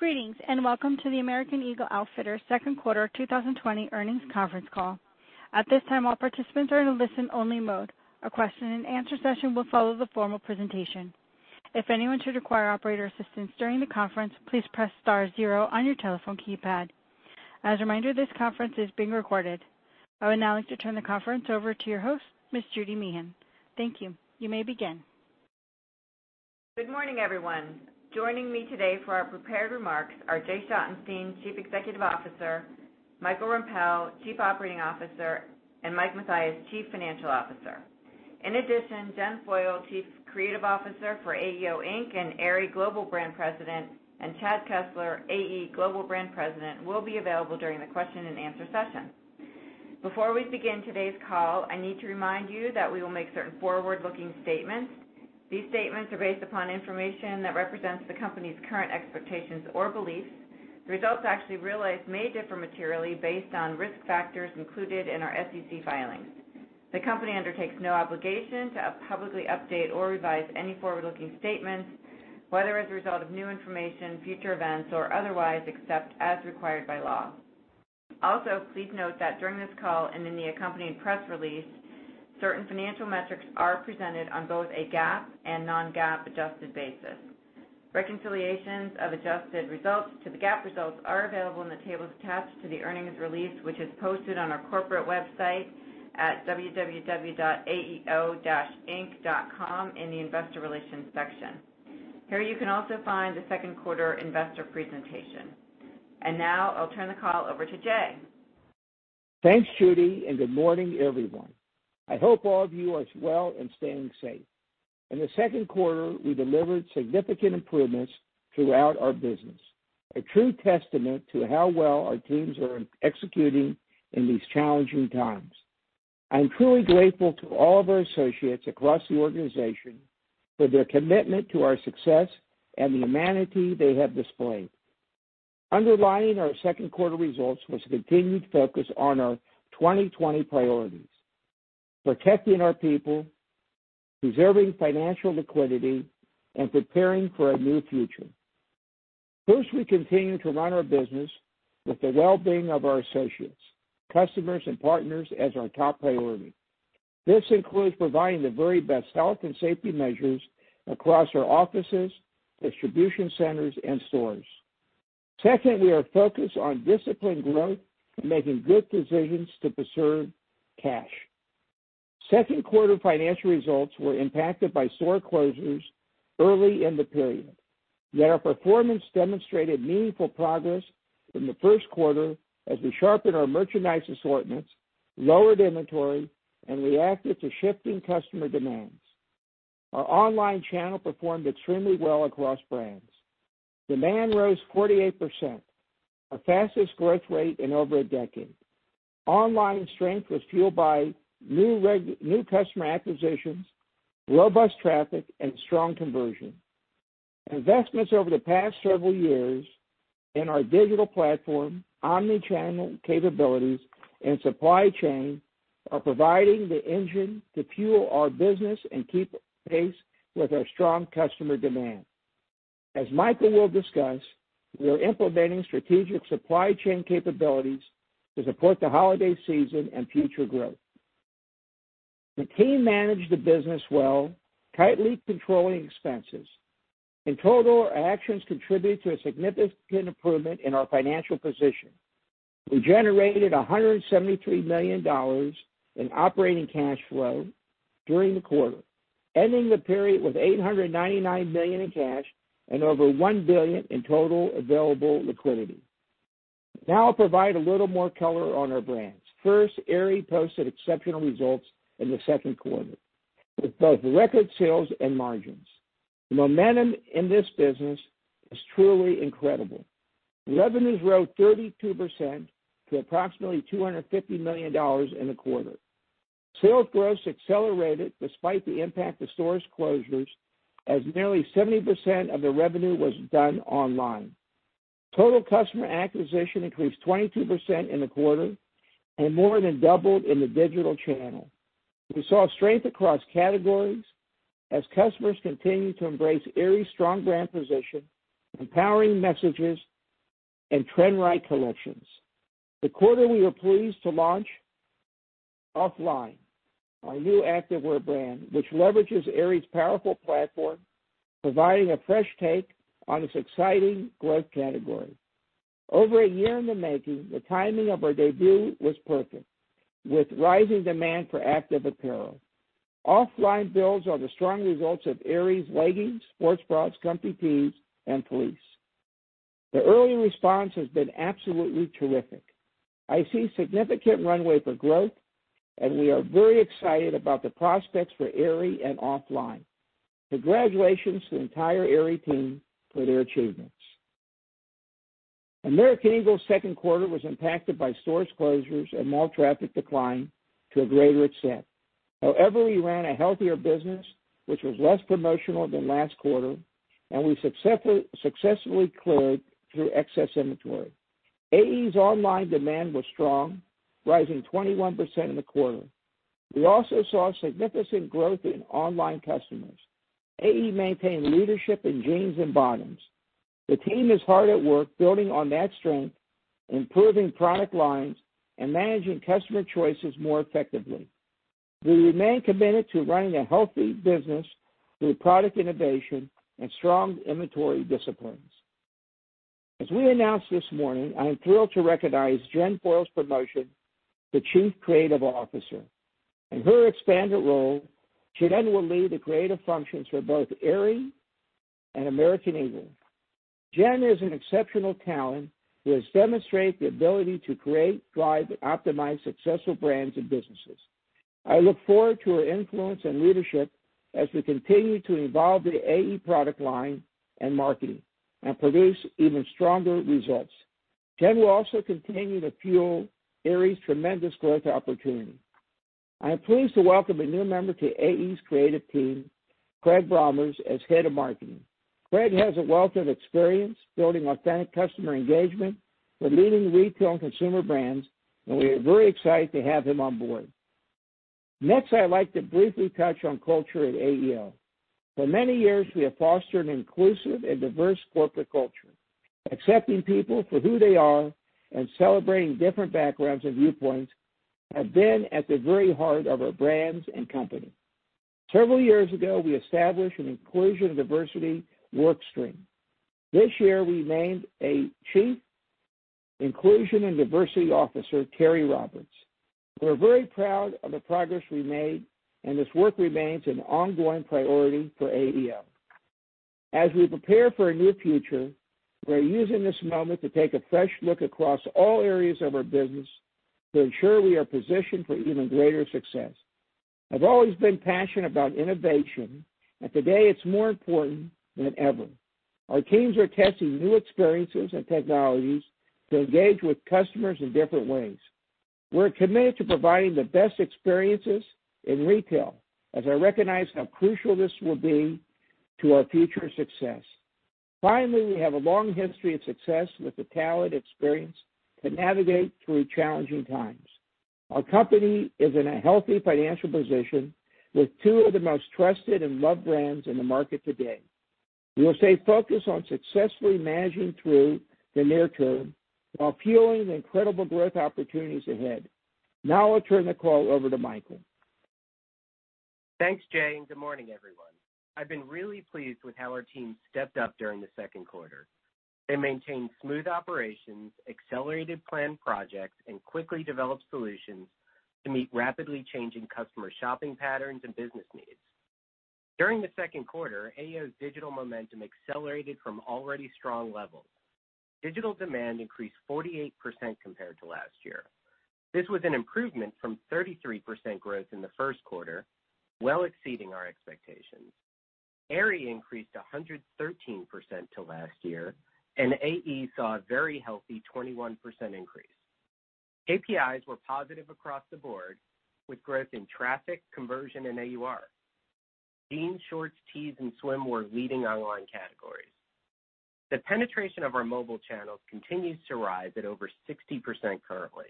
Greetings, welcome to the American Eagle Outfitters second quarter 2020 earnings conference call. At this time, all participants are in a listen-only mode. A question and answer session will follow the formal presentation. If anyone should require operator assistance during the conference, please press star zero on your telephone keypad. As a reminder, this conference is being recorded. I would now like to turn the conference over to your host, Ms. Judy Meehan. Thank you. You may begin. Good morning, everyone. Joining me today for our prepared remarks are Jay Schottenstein, Chief Executive Officer, Michael Rempell, Chief Operating Officer, and Mike Mathias, Chief Financial Officer. In addition, Jen Foyle, Chief Creative Officer for AEO Inc. and Aerie Global Brand President, and Chad Kessler, AE Global Brand President, will be available during the question and answer session. Before we begin today's call, I need to remind you that we will make certain forward-looking statements. These statements are based upon information that represents the company's current expectations or beliefs. The results actually realized may differ materially based on risk factors included in our SEC filings. The company undertakes no obligation to publicly update or revise any forward-looking statements, whether as a result of new information, future events, or otherwise, except as required by law. Also, please note that during this call and in the accompanying press release, certain financial metrics are presented on both a GAAP and non-GAAP adjusted basis. Reconciliations of adjusted results to the GAAP results are available in the tables attached to the earnings release, which is posted on our corporate website at www.aeo-inc.com in the investor relations section. Here, you can also find the second quarter investor presentation. Now I'll turn the call over to Jay. Thanks, Judy, and good morning, everyone. I hope all of you are well and staying safe. In the second quarter, we delivered significant improvements throughout our business, a true testament to how well our teams are executing in these challenging times. I'm truly grateful to all of our associates across the organization for their commitment to our success and the humanity they have displayed. Underlying our second quarter results was a continued focus on our 2020 priorities: protecting our people, preserving financial liquidity, and preparing for a new future. First, we continue to run our business with the well-being of our associates, customers, and partners as our top priority. This includes providing the very best health and safety measures across our offices, distribution centers, and stores. Second, we are focused on disciplined growth and making good decisions to preserve cash. Second quarter financial results were impacted by store closures early in the period, yet our performance demonstrated meaningful progress from the first quarter as we sharpened our merchandise assortments, lowered inventory, and reacted to shifting customer demands. Our online channel performed extremely well across brands. Demand rose 48%, our fastest growth rate in over a decade. Online strength was fueled by new customer acquisitions, robust traffic, and strong conversion. Investments over the past several years in our digital platform, omni-channel capabilities, and supply chain are providing the engine to fuel our business and keep pace with our strong customer demand. As Michael will discuss, we're implementing strategic supply chain capabilities to support the holiday season and future growth. The team managed the business well, tightly controlling expenses. In total, our actions contribute to a significant improvement in our financial position. We generated $173 million in operating cash flow during the quarter, ending the period with $899 million in cash and over $1 billion in total available liquidity. Now I'll provide a little more color on our brands. First, Aerie posted exceptional results in the second quarter with both record sales and margins. The momentum in this business is truly incredible. Revenues rose 32% to approximately $250 million in the quarter. Sales growth accelerated despite the impact of stores closures as nearly 70% of the revenue was done online. Total customer acquisition increased 22% in the quarter and more than doubled in the digital channel. We saw strength across categories as customers continued to embrace Aerie's strong brand position, empowering messages, and trend-right collections. The quarter we were pleased to launch OFFLINE, our new activewear brand, which leverages Aerie's powerful platform, providing a fresh take on this exciting growth category. Over a year in the making, the timing of our debut was perfect, with rising demand for active apparel. OFFLINE builds on the strong results of Aerie's leggings, sports bras, comfy tees, and fleece. The early response has been absolutely terrific. I see significant runway for growth, and we are very excited about the prospects for Aerie and OFFLINE. Congratulations to the entire Aerie team for their achievements. American Eagle's second quarter was impacted by stores closures and mall traffic decline to a greater extent. However, we ran a healthier business, which was less promotional than last quarter, and we successfully cleared through excess inventory. AE's online demand was strong, rising 21% in the quarter. We also saw significant growth in online customers. AE maintained leadership in jeans and bottoms. The team is hard at work building on that strength, improving product lines, and managing customer choices more effectively. We remain committed to running a healthy business through product innovation and strong inventory disciplines. As we announced this morning, I am thrilled to recognize Jen Foyle's promotion to Chief Creative Officer. In her expanded role, she then will lead the creative functions for both Aerie and American Eagle. Jen is an exceptional talent who has demonstrated the ability to create, drive, and optimize successful brands and businesses. I look forward to her influence and leadership as we continue to evolve the AE product line and marketing and produce even stronger results. Jen will also continue to fuel Aerie's tremendous growth opportunity. I am pleased to welcome a new member to AE's creative team, Craig Brommers, as Head of Marketing. Craig has a wealth of experience building authentic customer engagement with leading retail and consumer brands, and we are very excited to have him on board. Next, I'd like to briefly touch on culture at AEO. For many years, we have fostered an inclusive and diverse corporate culture. Accepting people for who they are and celebrating different backgrounds and viewpoints have been at the very heart of our brands and company. Several years ago, we established an inclusion and diversity work stream. This year, we named a Chief Inclusion and Diversity Officer, Terry Roberts. We're very proud of the progress we made, and this work remains an ongoing priority for AEO. As we prepare for a new future, we're using this moment to take a fresh look across all areas of our business to ensure we are positioned for even greater success. I've always been passionate about innovation, and today, it's more important than ever. Our teams are testing new experiences and technologies to engage with customers in different ways. We're committed to providing the best experiences in retail, as I recognize how crucial this will be to our future success. We have a long history of success with the talent experience to navigate through challenging times. Our company is in a healthy financial position with two of the most trusted and loved brands in the market today. We will stay focused on successfully managing through the near term while fueling the incredible growth opportunities ahead. Now I'll turn the call over to Michael. Thanks, Jay, and good morning, everyone. I've been really pleased with how our team stepped up during the second quarter. They maintained smooth operations, accelerated plan projects, and quickly developed solutions to meet rapidly changing customer shopping patterns and business needs. During the second quarter, AEO's digital momentum accelerated from already strong levels. Digital demand increased 48% compared to last year. This was an improvement from 33% growth in the first quarter, well exceeding our expectations. Aerie increased 113% to last year, and AE saw a very healthy 21% increase. KPIs were positive across the board with growth in traffic, conversion, and AUR. Jeans, shorts, tees, and swim were leading online categories. The penetration of our mobile channels continues to rise at over 60% currently.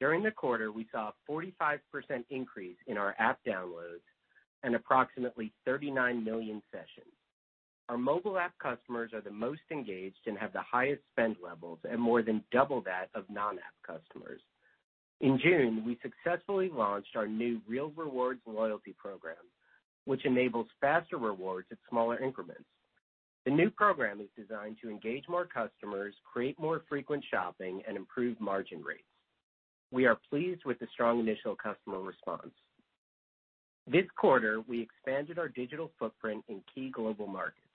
During the quarter, we saw a 45% increase in our app downloads and approximately 39 million sessions. Our mobile app customers are the most engaged and have the highest spend levels and more than double that of non-app customers. In June, we successfully launched our new Real Rewards loyalty program, which enables faster rewards at smaller increments. The new program is designed to engage more customers, create more frequent shopping, and improve margin rates. We are pleased with the strong initial customer response. This quarter, we expanded our digital footprint in key global markets.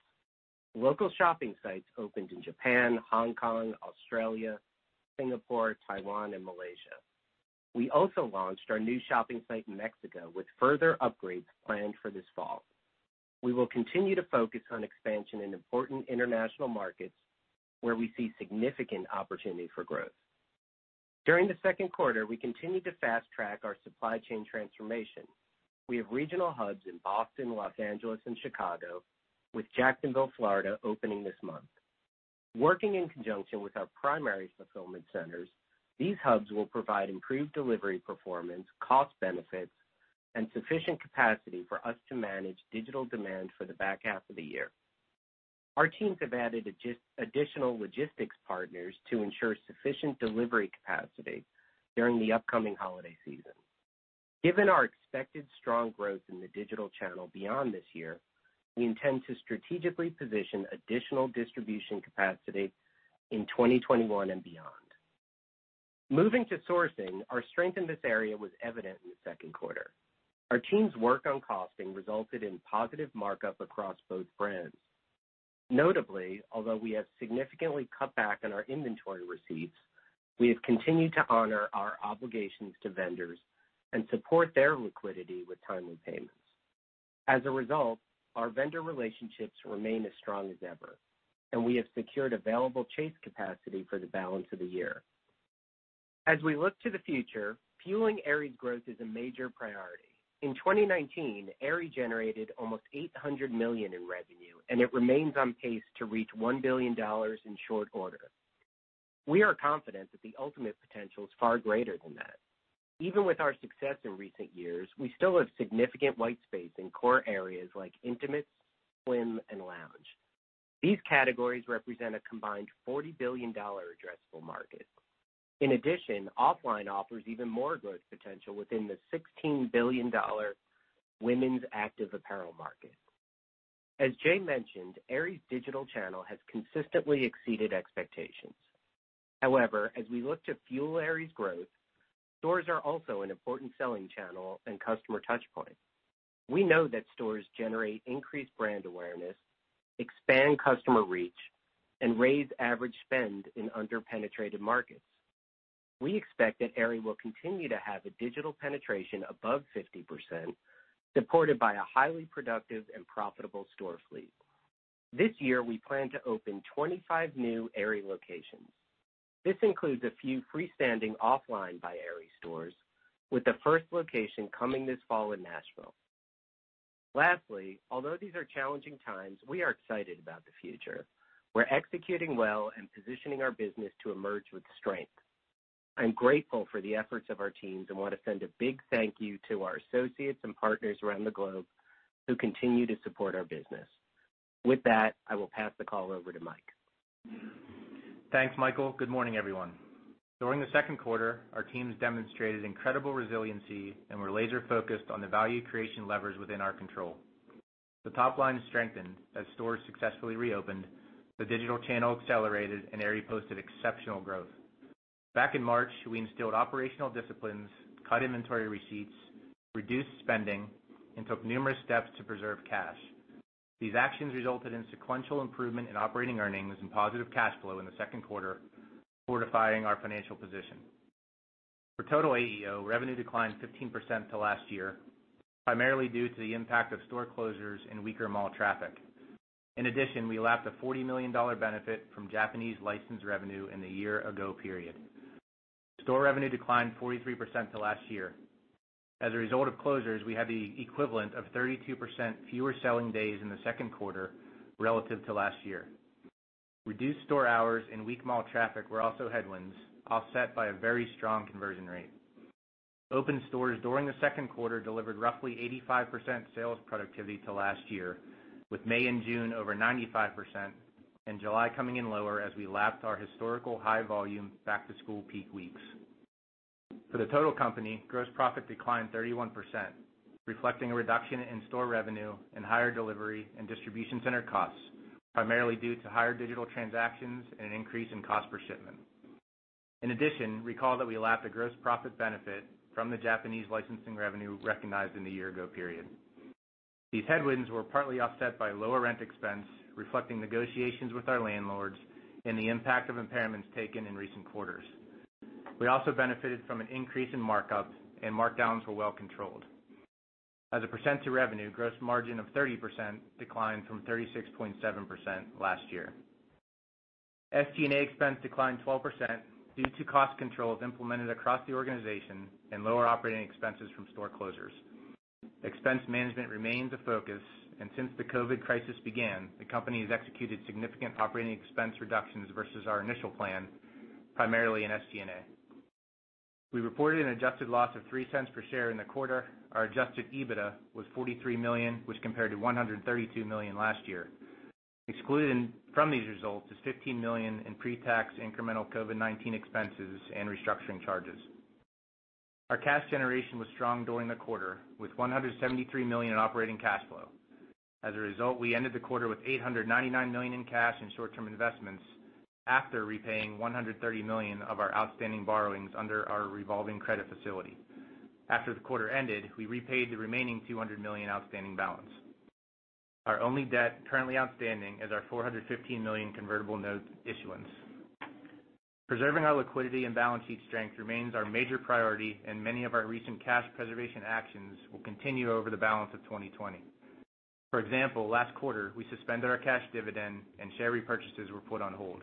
Local shopping sites opened in Japan, Hong Kong, Australia, Singapore, Taiwan, and Malaysia. We also launched our new shopping site in Mexico, with further upgrades planned for this fall. We will continue to focus on expansion in important international markets where we see significant opportunity for growth. During the second quarter, we continued to fast-track our supply chain transformation. We have regional hubs in Boston, Los Angeles, and Chicago, with Jacksonville, Florida, opening this month. Working in conjunction with our primary fulfillment centers, these hubs will provide improved delivery performance, cost benefits, and sufficient capacity for us to manage digital demand for the back half of the year. Our teams have added additional logistics partners to ensure sufficient delivery capacity during the upcoming holiday season. Given our expected strong growth in the digital channel beyond this year, we intend to strategically position additional distribution capacity in 2021 and beyond. Moving to sourcing, our strength in this area was evident in the second quarter. Our team's work on costing resulted in positive markup across both brands. Notably, although we have significantly cut back on our inventory receipts, we have continued to honor our obligations to vendors and support their liquidity with timely payments. As a result, our vendor relationships remain as strong as ever, and we have secured available chase capacity for the balance of the year. As we look to the future, fueling Aerie's growth is a major priority. In 2019, Aerie generated almost $800 million in revenue, and it remains on pace to reach $1 billion in short order. We are confident that the ultimate potential is far greater than that. Even with our success in recent years, we still have significant white space in core areas like intimates, swim, and lounge. These categories represent a combined $40 billion addressable market. In addition, OFFLINE offers even more growth potential within the $16 billion women's active apparel market. As Jay mentioned, Aerie's digital channel has consistently exceeded expectations. However, as we look to fuel Aerie's growth, stores are also an important selling channel and customer touchpoint. We know that stores generate increased brand awareness, expand customer reach, and raise average spend in under-penetrated markets. We expect that Aerie will continue to have a digital penetration above 50%, supported by a highly productive and profitable store fleet. This year, we plan to open 25 new Aerie locations. This includes a few freestanding OFFLINE by Aerie stores, with the first location coming this fall in Nashville. Lastly, although these are challenging times, we are excited about the future. We're executing well and positioning our business to emerge with strength. I'm grateful for the efforts of our teams and want to send a big thank you to our associates and partners around the globe who continue to support our business. With that, I will pass the call over to Mike. Thanks, Michael. Good morning, everyone. During the second quarter, our teams demonstrated incredible resiliency, and were laser-focused on the value creation levers within our control. The top line strengthened as stores successfully reopened, the digital channel accelerated, and Aerie posted exceptional growth. Back in March, we instilled operational disciplines, cut inventory receipts, reduced spending, and took numerous steps to preserve cash. These actions resulted in sequential improvement in operating earnings and positive cash flow in the second quarter, fortifying our financial position. For total AEO, revenue declined 15% to last year, primarily due to the impact of store closures and weaker mall traffic. In addition, we lapped a $40 million benefit from Japanese license revenue in the year ago period. Store revenue declined 43% to last year. As a result of closures, we had the equivalent of 32% fewer selling days in the second quarter relative to last year. Reduced store hours and weak mall traffic were also headwinds, offset by a very strong conversion rate. Open stores during the second quarter delivered roughly 85% sales productivity to last year, with May and June over 95%, and July coming in lower as we lapped our historical high-volume back-to-school peak weeks. For the total company, gross profit declined 31%, reflecting a reduction in store revenue and higher delivery and distribution center costs, primarily due to higher digital transactions and an increase in cost per shipment. In addition, recall that we lapped a gross profit benefit from the Japanese licensing revenue recognized in the year ago period. These headwinds were partly offset by lower rent expense, reflecting negotiations with our landlords and the impact of impairments taken in recent quarters. We also benefited from an increase in markups, and markdowns were well controlled. As a percent to revenue, gross margin of 30% declined from 36.7% last year. SG&A expense declined 12% due to cost controls implemented across the organization and lower operating expenses from store closures. Expense management remains a focus, and since the COVID crisis began, the company has executed significant operating expense reductions versus our initial plan, primarily in SG&A. We reported an adjusted loss of $0.03 per share in the quarter. Our adjusted EBITDA was $43 million, which compared to $132 million last year. Excluded from these results is $15 million in pre-tax incremental COVID-19 expenses and restructuring charges. Our cash generation was strong during the quarter, with $173 million in operating cash flow. As a result, we ended the quarter with $899 million in cash and short-term investments after repaying $130 million of our outstanding borrowings under our revolving credit facility. After the quarter ended, we repaid the remaining $200 million outstanding balance. Our only debt currently outstanding is our $415 million convertible note issuance. Preserving our liquidity and balance sheet strength remains our major priority. Many of our recent cash preservation actions will continue over the balance of 2020. For example, last quarter, we suspended our cash dividend and share repurchases were put on hold.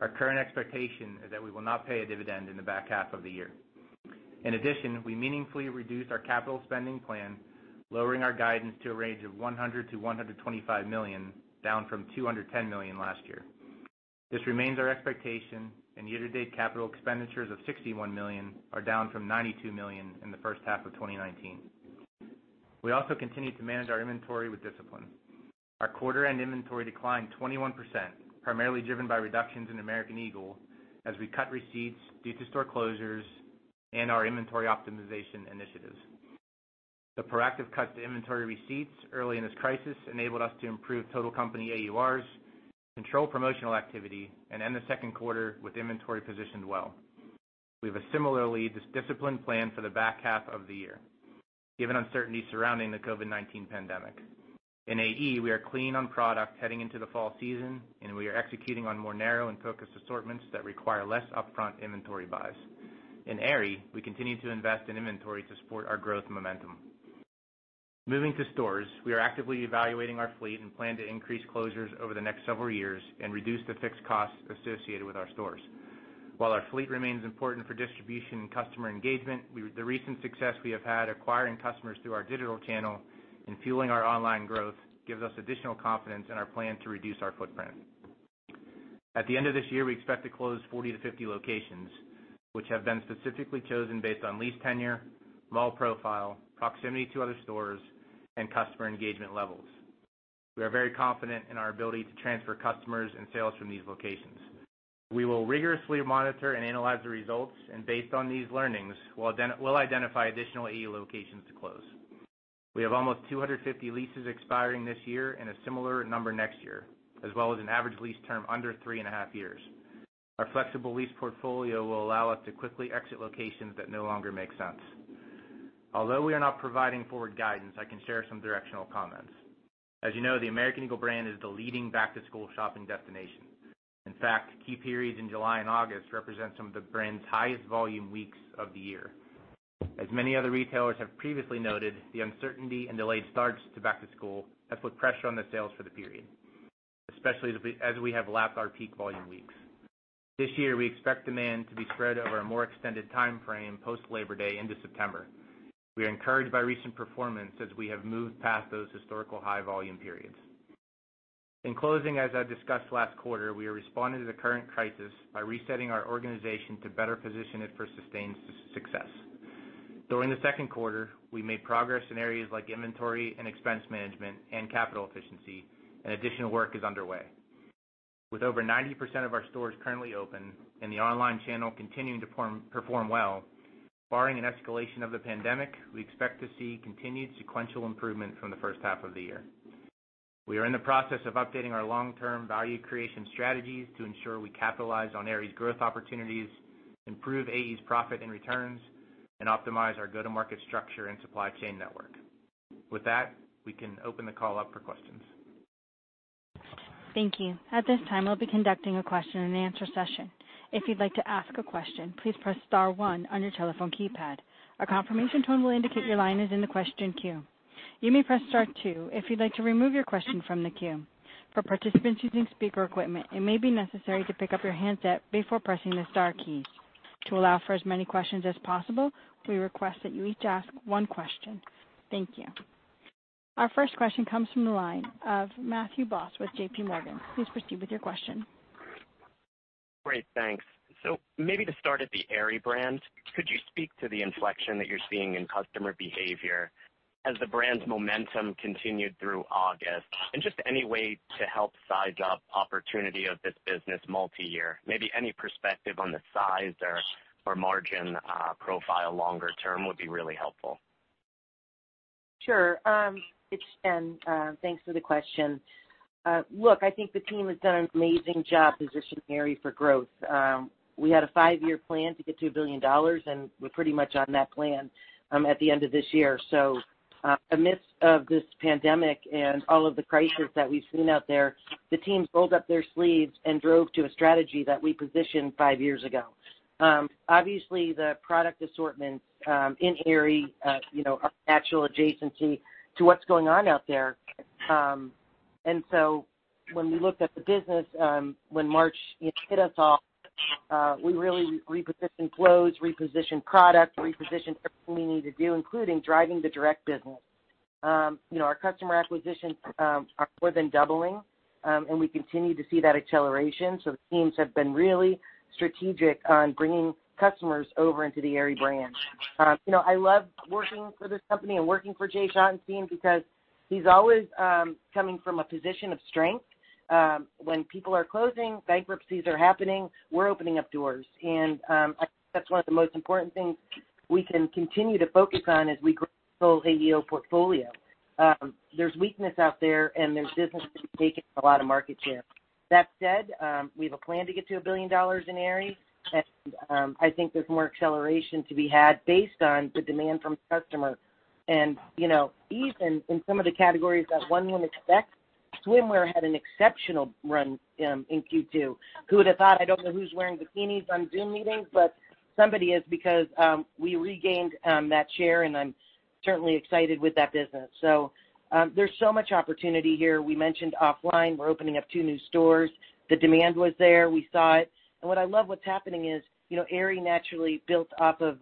Our current expectation is that we will not pay a dividend in the back half of the year. In addition, we meaningfully reduced our capital spending plan, lowering our guidance to a range of $100 million-$125 million, down from $210 million last year. This remains our expectation. Year-to-date capital expenditures of $61 million are down from $92 million in the first half of 2019. We also continue to manage our inventory with discipline. Our quarter-end inventory declined 21%, primarily driven by reductions in American Eagle as we cut receipts due to store closures and our inventory optimization initiatives. The proactive cuts to inventory receipts early in this crisis enabled us to improve total company AURs, control promotional activity, and end the second quarter with inventory positioned well. We have a similarly disciplined plan for the back half of the year, given uncertainty surrounding the COVID-19 pandemic. In AE, we are clean on product heading into the fall season, and we are executing on more narrow and focused assortments that require less upfront inventory buys. In Aerie, we continue to invest in inventory to support our growth momentum. Moving to stores, we are actively evaluating our fleet and plan to increase closures over the next several years and reduce the fixed costs associated with our stores. While our fleet remains important for distribution and customer engagement, the recent success we have had acquiring customers through our digital channel and fueling our online growth gives us additional confidence in our plan to reduce our footprint. At the end of this year, we expect to close 40-50 locations, which have been specifically chosen based on lease tenure, mall profile, proximity to other stores, and customer engagement levels. We are very confident in our ability to transfer customers and sales from these locations. We will rigorously monitor and analyze the results, and based on these learnings, we'll identify additional AE locations to close. We have almost 250 leases expiring this year and a similar number next year, as well as an average lease term under three and a half years. Our flexible lease portfolio will allow us to quickly exit locations that no longer make sense. Although we are not providing forward guidance, I can share some directional comments. As you know, the American Eagle brand is the leading back-to-school shopping destination. In fact, key periods in July and August represent some of the brand's highest volume weeks of the year. As many other retailers have previously noted, the uncertainty and delayed starts to back to school have put pressure on the sales for the period, especially as we have lapped our peak volume weeks. This year, we expect demand to be spread over a more extended timeframe post Labor Day into September. We are encouraged by recent performance as we have moved past those historical high-volume periods. In closing, as I discussed last quarter, we are responding to the current crisis by resetting our organization to better position it for sustained success. During the second quarter, we made progress in areas like inventory and expense management and capital efficiency, and additional work is underway. With over 90% of our stores currently open and the online channel continuing to perform well, barring an escalation of the pandemic, we expect to see continued sequential improvement from the first half of the year. We are in the process of updating our long-term value creation strategies to ensure we capitalize on Aerie's growth opportunities, improve AE's profit and returns, and optimize our go-to-market structure and supply chain network. With that, we can open the call up for questions. Thank you. At this time, we'll be conducting a question and answer session. If you'd like to ask a question, please press star one on your telephone keypad. A confirmation tone will indicate your line is in the question queue. You may press star two if you'd like to remove your question from the queue. For participants using speaker equipment, it may be necessary to pick up your handset before pressing the star keys. To allow for as many questions as possible, we request that you each ask one question. Thank you. Our first question comes from the line of Matthew Boss with JPMorgan. Please proceed with your question. Great. Thanks. Maybe to start at the Aerie brand, could you speak to the inflection that you're seeing in customer behavior as the brand's momentum continued through August? Just any way to help size up opportunity of this business multi-year. Maybe any perspective on the size or margin profile longer term would be really helpful. Sure. It's Jen. Thanks for the question. Look, I think the team has done an amazing job positioning Aerie for growth. We had a five-year plan to get to $1 billion, and we're pretty much on that plan at the end of this year. Amidst of this pandemic and all of the crisis that we've seen out there, the teams rolled up their sleeves and drove to a strategy that we positioned five years ago. Obviously, the product assortments in Aerie are natural adjacency to what's going on out there. When we looked at the business when March hit us all, we really repositioned flows, repositioned product, repositioned everything we needed to do, including driving the direct business. Our customer acquisitions are more than doubling, and we continue to see that acceleration. The teams have been really strategic on bringing customers over into the Aerie brand. I love working for this company and working for Jay Schottenstein because he's always coming from a position of strength. When people are closing, bankruptcies are happening, we're opening up doors. I think that's one of the most important things we can continue to focus on as we grow the whole AEO portfolio. There's weakness out there and there's businesses taking a lot of market share. That said, we have a plan to get to $1 billion in Aerie, and I think there's more acceleration to be had based on the demand from customers. Even in some of the categories that one wouldn't expect, swimwear had an exceptional run in Q2. Who would have thought? I don't know who's wearing bikinis on Zoom meetings, but somebody is because we regained that share, and I'm certainly excited with that business. There's so much opportunity here. We mentioned OFFLINE, we're opening up two new stores. The demand was there. We saw it. What I love what's happening is, Aerie naturally built off of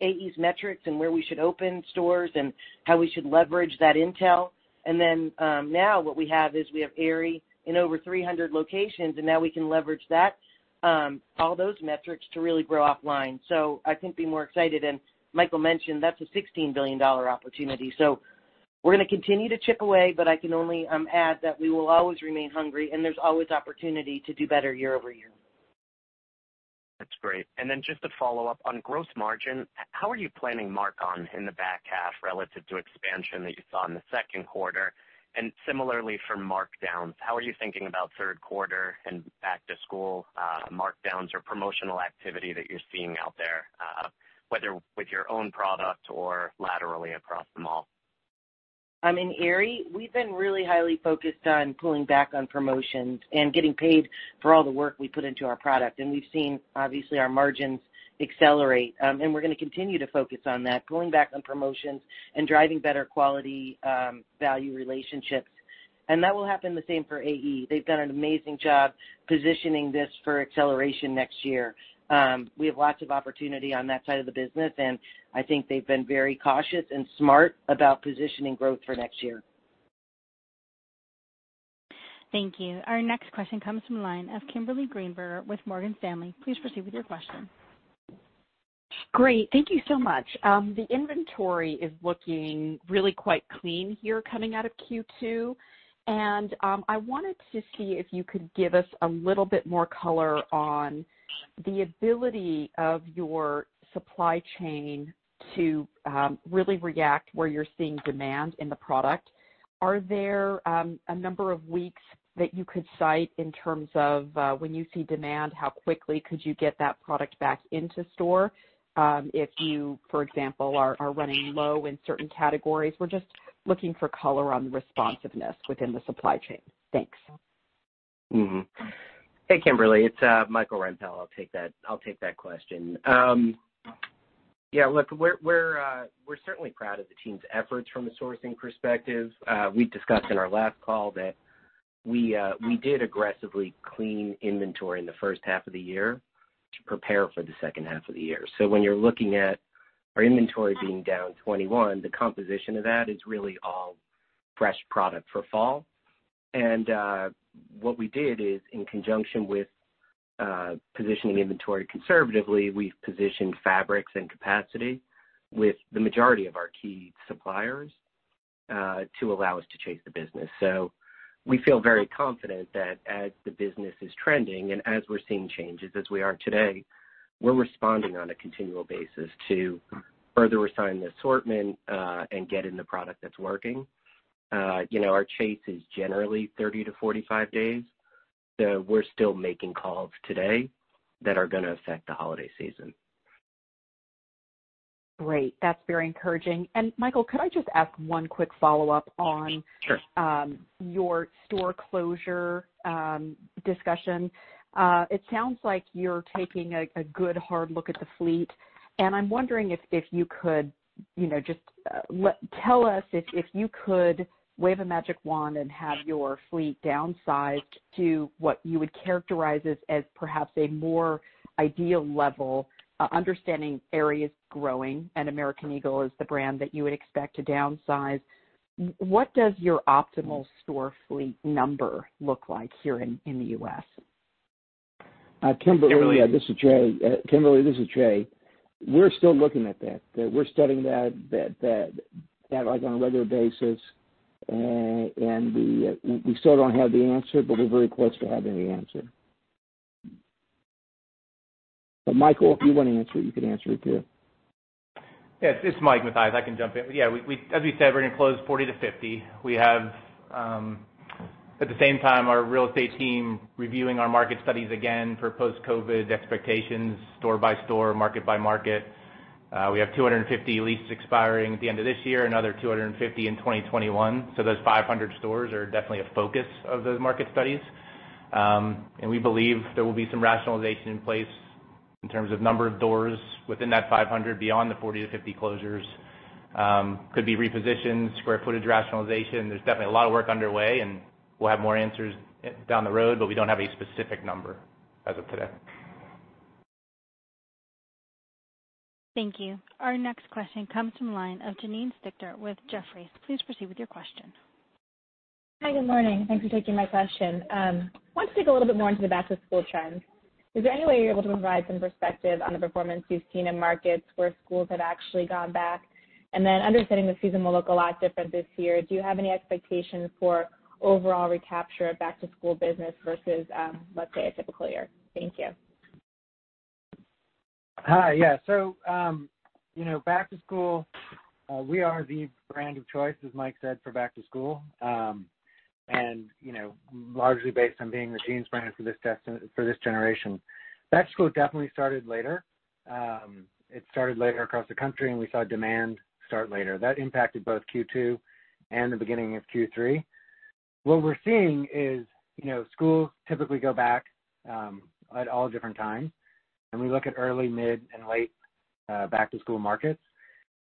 AE's metrics and where we should open stores and how we should leverage that intel. Now what we have is we have Aerie in over 300 locations, and now we can leverage that, all those metrics to really grow OFFLINE. I couldn't be more excited. Michael mentioned that's a $16 billion opportunity. We're going to continue to chip away, but I can only add that we will always remain hungry and there's always opportunity to do better year-over-year. That's great. Just a follow-up on gross margin, how are you planning mark-on in the back half relative to expansion that you saw in the second quarter? Similarly for markdowns, how are you thinking about third quarter and back-to-school markdowns or promotional activity that you're seeing out there, whether with your own product or laterally across the mall? In Aerie, we've been really highly focused on pulling back on promotions and getting paid for all the work we put into our product. We've seen, obviously, our margins accelerate. We're going to continue to focus on that, pulling back on promotions and driving better quality value relationships. That will happen the same for AE. They've done an amazing job positioning this for acceleration next year. We have lots of opportunity on that side of the business. I think they've been very cautious and smart about positioning growth for next year. Thank you. Our next question comes from the line of Kimberly Greenberger with Morgan Stanley. Please proceed with your question. Great. Thank you so much. The inventory is looking really quite clean here coming out of Q2. I wanted to see if you could give us a little bit more color on the ability of your supply chain to really react where you're seeing demand in the product. Are there a number of weeks that you could cite in terms of when you see demand, how quickly could you get that product back into store if you, for example, are running low in certain categories? We're just looking for color on the responsiveness within the supply chain. Thanks. Hey, Kimberly, it's Michael Rempell. I'll take that question. Look, we're certainly proud of the team's efforts from a sourcing perspective. We discussed in our last call that we did aggressively clean inventory in the first half of the year to prepare for the second half of the year. When you're looking at our inventory being down 21%, the composition of that is really all fresh product for fall. What we did is in conjunction with positioning inventory conservatively, we've positioned fabrics and capacity with the majority of our key suppliers to allow us to chase the business. We feel very confident that as the business is trending and as we're seeing changes as we are today, we're responding on a continual basis to further assign the assortment, and get in the product that's working. Our chase is generally 30-45 days, so we're still making calls today that are gonna affect the holiday season. Great. That's very encouraging. Michael, could I just ask one quick follow-up- Sure.... on your store closure discussion? It sounds like you're taking a good hard look at the fleet, and I'm wondering if you could just tell us, if you could wave a magic wand and have your fleet downsized to what you would characterize as perhaps a more ideal level, understanding Aerie is growing and American Eagle is the brand that you would expect to downsize. What does your optimal store fleet number look like here in the U.S.? Kimberly- Kimberly-... this is Jay. Kimberly, this is Jay. We're still looking at that. We're studying that on a regular basis. We still don't have the answer, but we're very close to having the answer. Michael, if you wanna answer it, you can answer it too. Yes, this is Mike Mathias. I can jump in. As we said, we're gonna close 40-50. We have at the same time our real estate team reviewing our market studies again for post-COVID expectations store by store, market by market. We have 250 leases expiring at the end of this year, another 250 in 2021. Those 500 stores are definitely a focus of those market studies. We believe there will be some rationalization in place in terms of number of doors within that 500, beyond the 40-50 closures. Could be repositioned, square footage rationalization. There's definitely a lot of work underway, and we'll have more answers down the road, but we don't have a specific number as of today. Thank you. Our next question comes from the line of Janine Stichter with Jefferies. Please proceed with your question. Hi. Good morning. Thanks for taking my question. Wanted to dig a little bit more into the back-to-school trends. Is there any way you're able to provide some perspective on the performance you've seen in markets where schools have actually gone back? Understanding the season will look a lot different this year, do you have any expectations for overall recapture of back-to-school business versus, let's say, a typical year? Thank you. Hi. Yeah. Back to school, we are the brand of choice, as Mike said, for back to school. Largely based on being the jeans brand for this generation. Back to school definitely started later. It started later across the country, and we saw demand start later. That impacted both Q2 and the beginning of Q3. What we're seeing is schools typically go back at all different times, and we look at early, mid, and late back-to-school markets.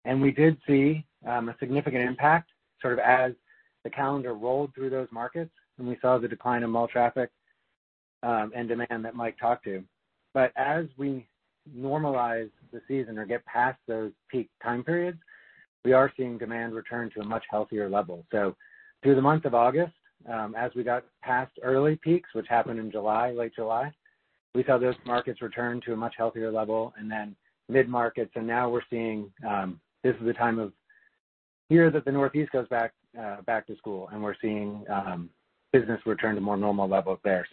We did see a significant impact sort of as the calendar rolled through those markets, and we saw the decline in mall traffic, and demand that Mike talked to. As we normalize the season or get past those peak time periods, we are seeing demand return to a much healthier level. Through the month of August, as we got past early peaks, which happened in July, late July, we saw those markets return to a much healthier level and then mid-markets. Now we're seeing, this is the time of year that the Northeast goes back to school, and we're seeing business return to more normal levels there.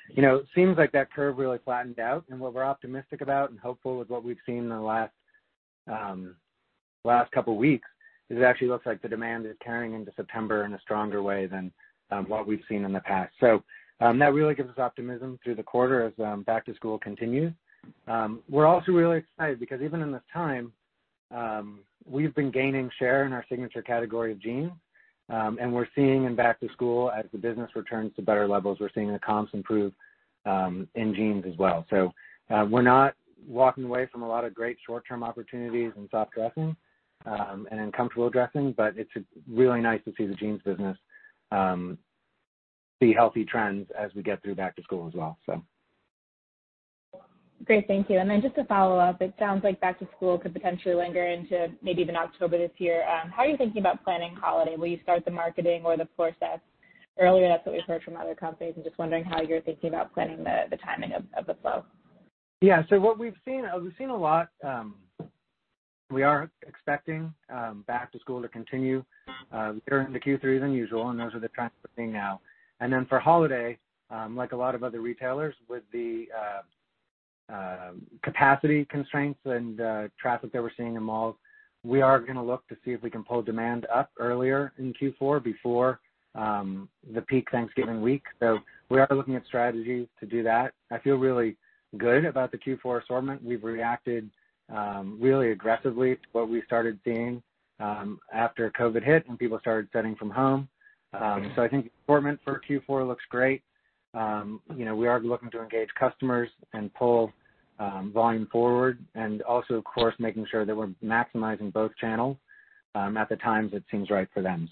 It seems like that curve really flattened out, and what we're optimistic about and hopeful with what we've seen in the last couple of weeks is it actually looks like the demand is carrying into September in a stronger way than what we've seen in the past. That really gives us optimism through the quarter as back to school continues. We're also really excited because even in this time, we've been gaining share in our signature category of jeans. We're seeing in back to school as the business returns to better levels, we're seeing the comps improve in jeans as well. We're not walking away from a lot of great short-term opportunities in soft dressing, and in comfortable dressing, but it's really nice to see the jeans business see healthy trends as we get through back to school as well. Great. Thank you. Just a follow-up, it sounds like back to school could potentially linger into maybe even October this year. How are you thinking about planning holiday? Will you start the marketing or the floor sets earlier? That's what we've heard from other companies, just wondering how you're thinking about planning the timing of the flow. Yeah. We've seen a lot. We are expecting back to school to continue into Q3 than usual, and those are the trends we're seeing now. For holiday, like a lot of other retailers with the capacity constraints and traffic that we're seeing in malls, we are going to look to see if we can pull demand up earlier in Q4, before the peak Thanksgiving week. We are looking at strategies to do that. I feel really good about the Q4 assortment. We've reacted really aggressively to what we started seeing after COVID hit and people started studying from home. I think assortment for Q4 looks great. We are looking to engage customers and pull volume forward. Of course, making sure that we're maximizing both channels at the times it seems right for them.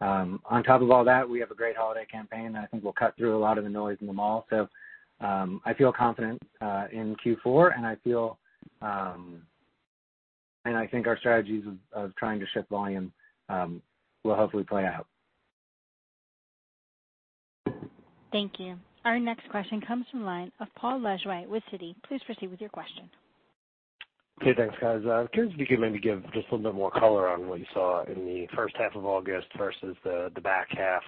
On top of all that, we have a great holiday campaign, and I think we'll cut through a lot of the noise in the mall. I feel confident in Q4, and I think our strategies of trying to shift volume will hopefully play out. Thank you. Our next question comes from the line of Paul Lejuez with Citi. Please proceed with your question. Okay. Thanks, guys. I'm curious if you could maybe give just a little bit more color on what you saw in the first half of August versus the back half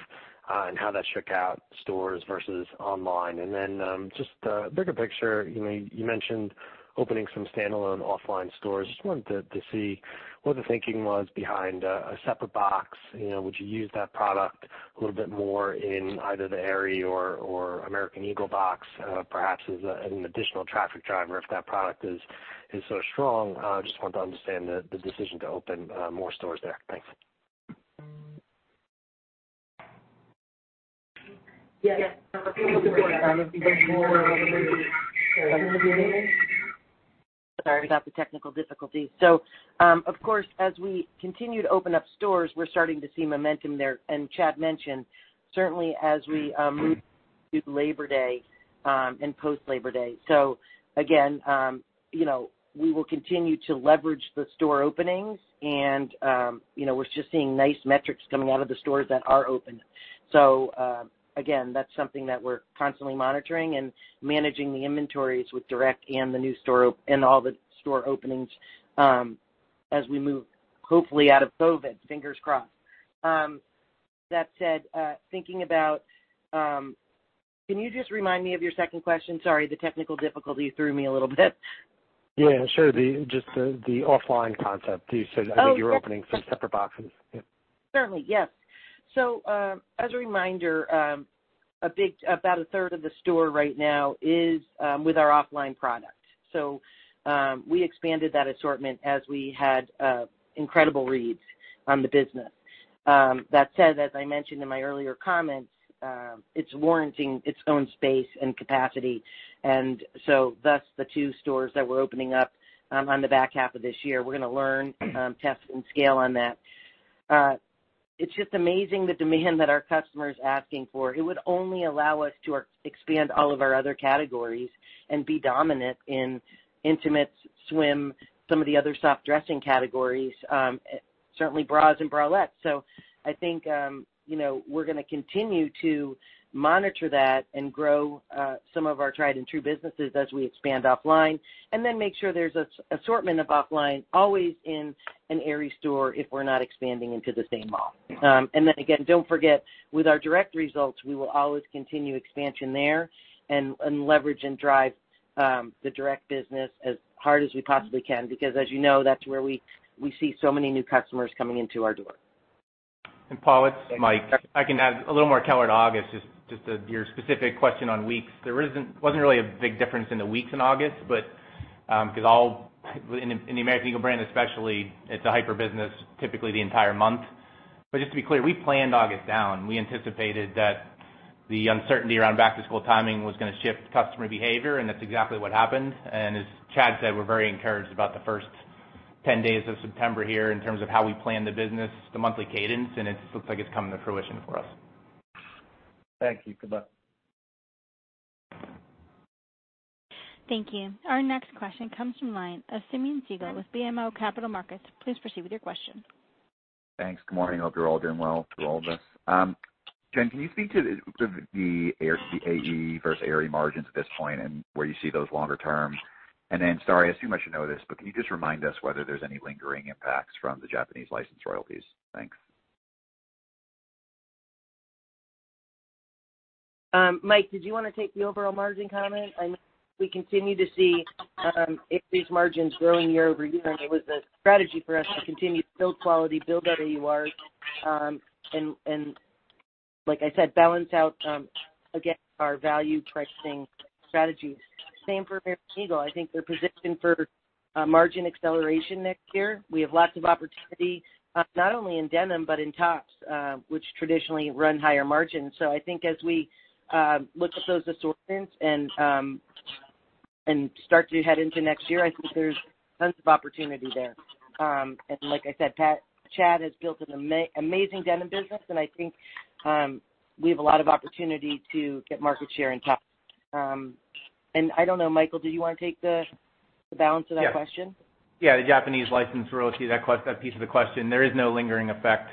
and how that shook out stores versus online. Then just the bigger picture, you mentioned opening some standalone OFFLINE stores. Just wanted to see what the thinking was behind a separate box. Would you use that product a little bit more in either the Aerie or American Eagle box perhaps as an additional traffic driver if that product is so strong? I just want to understand the decision to open more stores there. Thanks. Yes. Sorry about the technical difficulty. Of course, as we continue to open up stores, we're starting to see momentum there. Chad mentioned, certainly as we move through Labor Day, and post Labor Day. Again, we will continue to leverage the store openings and we're just seeing nice metrics coming out of the stores that are open. Again, that's something that we're constantly monitoring and managing the inventories with direct and all the store openings as we move, hopefully, out of COVID. Fingers crossed. That said, can you just remind me of your second question? Sorry, the technical difficulty threw me a little bit. Yeah, sure. Just the OFFLINE concept. You said- Oh, sure.... you were opening some separate boxes. Yeah. Certainly, yes. As a reminder, about a third of the store right now is with our OFFLINE product. We expanded that assortment as we had incredible reads on the business. That said, as I mentioned in my earlier comments, it's warranting its own space and capacity. Thus, the two stores that we're opening up on the back half of this year, we're going to learn, test, and scale on that. It's just amazing the demand that our customers are asking for. It would only allow us to expand all of our other categories and be dominant in intimates, swim, some of the other soft dressing categories, certainly bras and bralettes. I think we're going to continue to monitor that and grow some of our tried and true businesses as we expand OFFLINE, make sure there's an assortment of OFFLINE always in an Aerie store if we're not expanding into the same mall. Again, don't forget, with our direct results, we will always continue expansion there and leverage and drive the direct business as hard as we possibly can. As you know, that's where we see so many new customers coming into our door. Paul, it's Mike. I can add a little more color to August, just to your specific question on weeks. There wasn't really a big difference in the weeks in August, because in the American Eagle brand especially, it's a hyper business typically the entire month. Just to be clear, we planned August down. We anticipated that the uncertainty around back-to-school timing was going to shift customer behavior, and that's exactly what happened. As Chad said, we're very encouraged about the first 10 days of September here in terms of how we plan the business, the monthly cadence, and it looks like it's coming to fruition for us. Thank you. Good luck. Thank you. Our next question comes from the line of Simeon Siegel with BMO Capital Markets. Please proceed with your question. Thanks. Good morning. Hope you're all doing well through all this. Jen, can you speak to the AE versus Aerie margins at this point, and where you see those longer term? Then, sorry, I assume you know this, but can you just remind us whether there's any lingering impacts from the Japanese license royalties? Thanks. Mike, did you want to take the overall margin comment? I know we continue to see AE's margins growing year-over-year, and it was a strategy for us to continue to build quality, build better AUR, and like I said, balance out, again, our value pricing strategies. Same for American Eagle. I think they're positioned for margin acceleration next year. We have lots of opportunity not only in denim, but in tops, which traditionally run higher margins. I think as we look at those assortments and start to head into next year, I think there's tons of opportunity there. Like I said, Chad has built an amazing denim business, and I think we have a lot of opportunity to get market share in top. I don't know, Michael, do you want to take the balance of that question? Yeah. The Japanese license royalty, that piece of the question, there is no lingering effect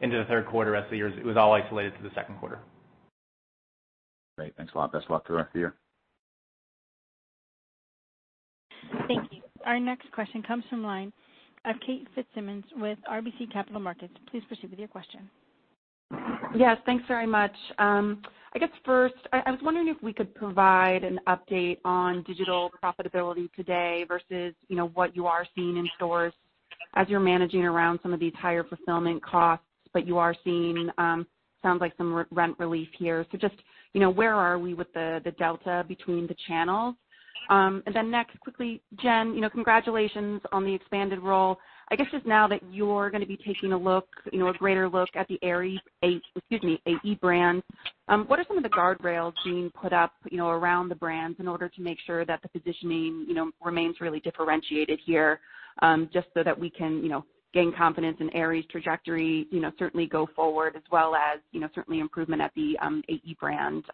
into the third quarter, rest of the year. It was all isolated to the second quarter. Great. Thanks a lot. Best of luck the rest of the year. Thank you. Our next question comes from line of Kate Fitzsimons with RBC Capital Markets. Please proceed with your question. Yes, thanks very much. First, I was wondering if we could provide an update on digital profitability today versus what you are seeing in stores as you're managing around some of these higher fulfillment costs, you are seeing, sounds like some rent relief here. Just where are we with the delta between the channels? Next, quickly, Jen, congratulations on the expanded role. Just now that you're going to be taking a greater look at the Aerie, excuse me, AE brand, what are some of the guardrails being put up around the brands in order to make sure that the positioning remains really differentiated here, just so that we can gain confidence in Aerie's trajectory certainly go forward as well as certainly improvement at the AE brand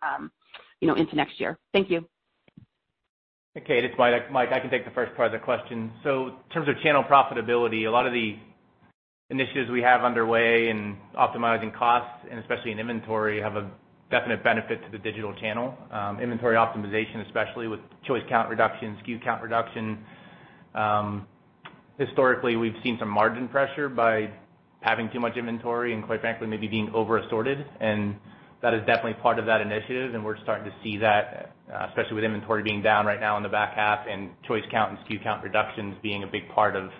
into next year. Thank you. Hey, Kate, it's Mike. I can take the first part of the question. In terms of channel profitability, a lot of the initiatives we have underway in optimizing costs and especially in inventory, have a definite benefit to the digital channel. Inventory optimization, especially with choice count reduction, SKU count reduction. Historically, we've seen some margin pressure by having too much inventory and quite frankly, maybe being over assorted. That is definitely part of that initiative, and we're starting to see that, especially with inventory being down right now in the back half and choice count and SKU count reductions being a big part of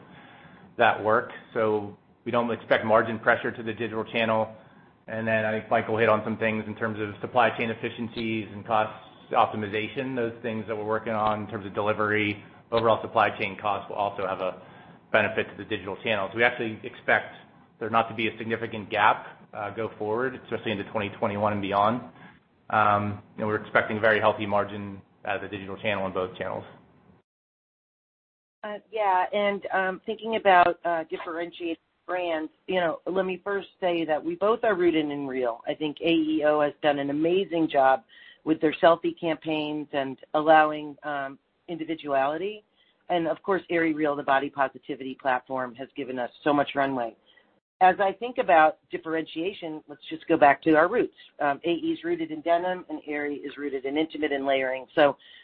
that work. We don't expect margin pressure to the digital channel. I think Michael hit on some things in terms of supply chain efficiencies and cost optimization, those things that we're working on in terms of delivery. Overall supply chain costs will also have a benefit to the digital channels. We actually expect there not to be a significant gap go forward, especially into 2021 and beyond. We're expecting very healthy margin out of the digital channel on both channels. Yeah. Thinking about differentiating brands, let me first say that we both are rooted in Real. I think AEO has done an amazing job with their selfie campaigns and allowing individuality. Of course, Aerie Real, the body positivity platform, has given us so much runway. As I think about differentiation, let's just go back to our roots. AE is rooted in denim and Aerie is rooted in intimate and layering.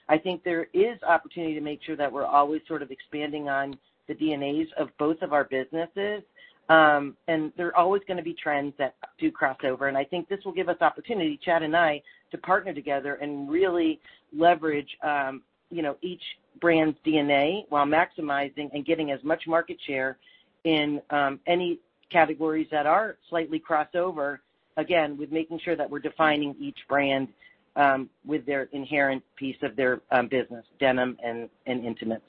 I think there is opportunity to make sure that we're always sort of expanding on the DNAs of both of our businesses. There are always going to be trends that do cross over, and I think this will give us opportunity, Chad and I, to partner together and really leverage each brand's DNA while maximizing and getting as much market share in any categories that are slightly crossover. With making sure that we're defining each brand with their inherent piece of their business, denim and intimates.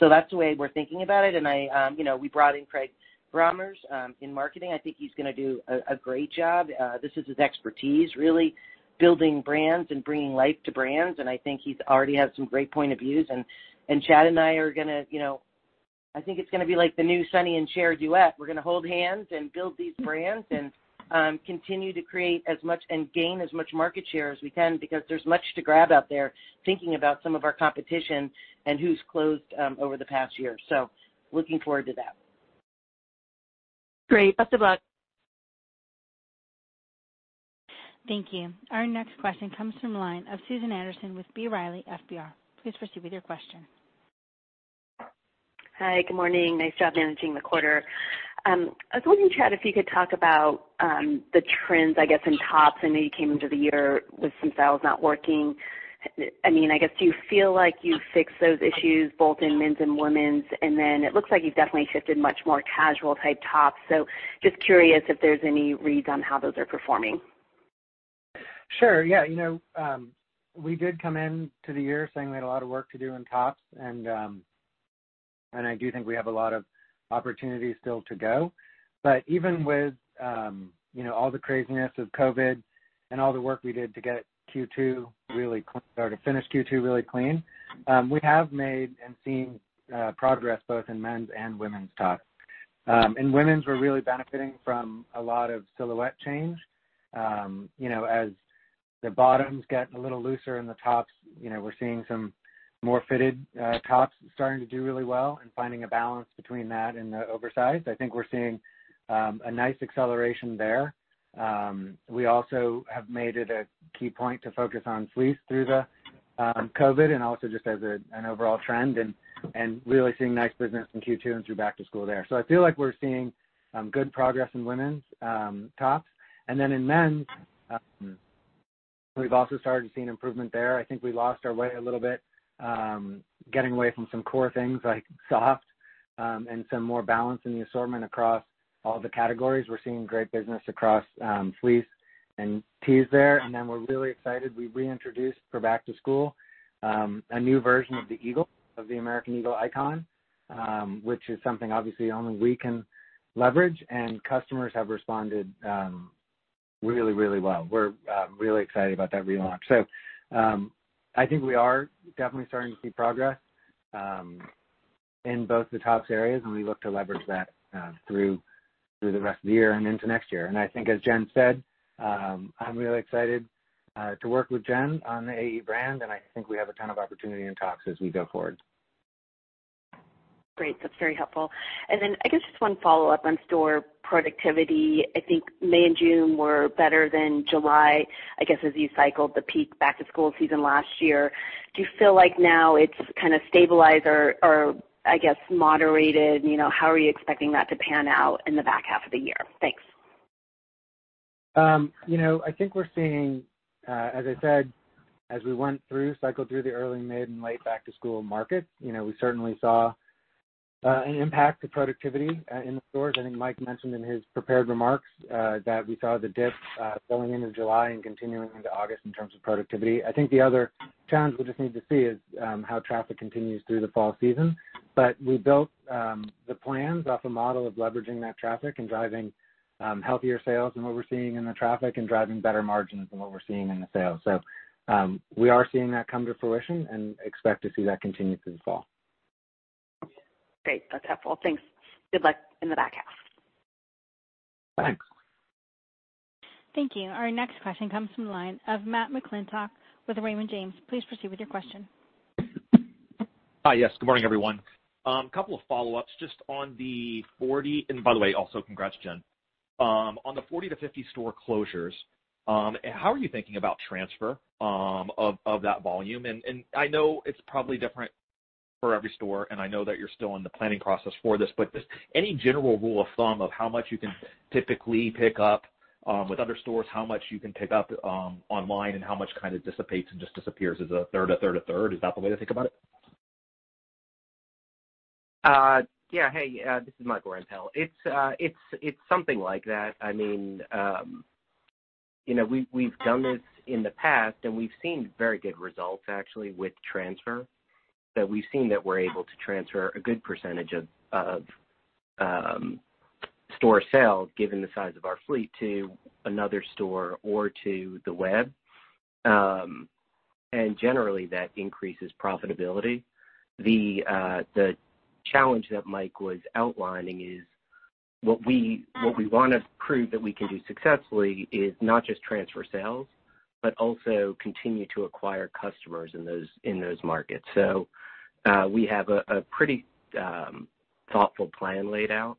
That's the way we're thinking about it. We brought in Craig Brommers in marketing. I think he's going to do a great job. This is his expertise, really building brands and bringing life to brands, and I think he already has some great point of views. Chad and I are going to I think it's going to be like the new Sonny & Cher duet. We're going to hold hands and build these brands and continue to create as much and gain as much market share as we can because there's much to grab out there, thinking about some of our competition and who's closed over the past year. Looking forward to that. Great. Best of luck. Thank you. Our next question comes from line of Susan Anderson with B. Riley FBR. Please proceed with your question. Hi, good morning. Nice job managing the quarter. I was wondering, Chad, if you could talk about the trends, I guess, in tops. I know you came into the year with some styles not working. I guess, do you feel like you fixed those issues both in men's and women's? It looks like you've definitely shifted much more casual type tops. Just curious if there's any reads on how those are performing. Sure. Yeah. We did come into the year saying we had a lot of work to do in tops. I do think we have a lot of opportunities still to go. Even with all the craziness of COVID and all the work we did to finish Q2 really clean, we have made and seen progress both in men's and women's tops. In women's, we're really benefiting from a lot of silhouette change. As the bottoms get a little looser in the tops, we're seeing some more fitted tops starting to do really well and finding a balance between that and the oversized. I think we're seeing a nice acceleration there. We also have made it a key point to focus on fleece through the COVID and also just as an overall trend, really seeing nice business in Q2 and through back to school there. I feel like we're seeing good progress in women's tops. In men's, we've also started to see an improvement there. I think we lost our way a little bit getting away from some core things like soft and some more balance in the assortment across all the categories. We're seeing great business across fleece and tees there. We're really excited. We reintroduced for back to school a new version of the eagle, of the American Eagle icon, which is something obviously only we can leverage, and customers have responded really well. We're really excited about that relaunch. I think we are definitely starting to see progress in both the tops areas, and we look to leverage that through the rest of the year and into next year. I think as Jen said, I'm really excited to work with Jen on the AE brand, and I think we have a ton of opportunity in tops as we go forward. Great. That's very helpful. I guess just one follow-up on store productivity. I think May and June were better than July, I guess, as you cycled the peak back-to-school season last year. Do you feel like now it's kind of stabilized or, I guess, moderated? How are you expecting that to pan out in the back half of the year? Thanks. I think we're seeing, as I said, as we cycled through the early, mid, and late back-to-school market, we certainly saw an impact to productivity in the stores. I think Mike mentioned in his prepared remarks that we saw the dip going into July and continuing into August in terms of productivity. I think the other challenge we'll just need to see is how traffic continues through the fall season. We built the plans off a model of leveraging that traffic and driving healthier sales than what we're seeing in the traffic, and driving better margins than what we're seeing in the sales. We are seeing that come to fruition and expect to see that continue through the fall. Great. That's helpful. Thanks. Good luck in the back half. Thanks. Thank you. Our next question comes from the line of Matt McClintock with Raymond James. Please proceed with your question. Hi, yes. Good morning, everyone. Couple of follow-ups just on the 40, and by the way, also congrats, Jen. On the 40-50 store closures, how are you thinking about transfer of that volume? I know it's probably different for every store, and I know that you're still in the planning process for this, but just any general rule of thumb of how much you can typically pick up with other stores, how much you can pick up online, and how much kind of dissipates and just disappears as a third, a third, a third? Is that the way to think about it? Yeah. Hey, this is Michael Rempell. It's something like that. We've done this in the past, and we've seen very good results actually with transfer, that we've seen that we're able to transfer a good percentage of store sales given the size of our fleet to another store or to the web. Generally, that increases profitability. The challenge that Mike was outlining is what we want to prove that we can do successfully is not just transfer sales, but also continue to acquire customers in those markets. We have a pretty thoughtful plan laid out